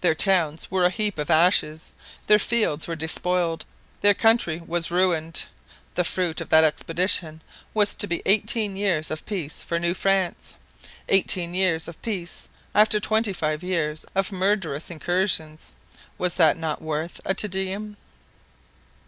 Their towns were a heap of ashes, their fields were despoiled, their country was ruined. The fruit of that expedition was to be eighteen years of peace for New France. Eighteen years of peace after twenty five years of murderous incursions! Was not that worth a Te Deum?